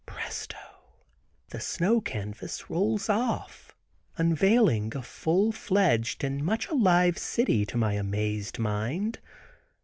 Presto! the snow canvas rolls off, unveiling a full fledged and much alive city to my amazed mind.